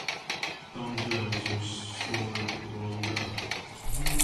Thongdrels are stored rolled up.